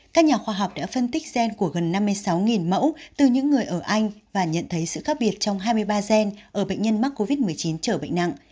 các nhà khoa học đã phân tích gen của gần năm mươi sáu mẫu từ những người ở anh và nhận thấy sự khác biệt trong hai mươi ba gen ở bệnh nhân mắc covid một mươi chín trở bệnh nặng